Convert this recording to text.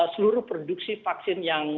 seluruh produksi vaksin